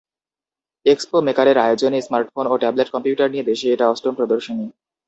Expo মেকারের আয়োজনে smartphone ও ট্যাবলেট কম্পিউটার নিয়ে দেশে এটা অষ্টম প্রদর্শনী।